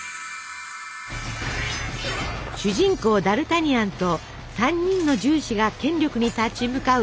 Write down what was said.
主人公ダルタニアンと３人の銃士が権力に立ち向かう